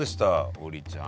王林ちゃん。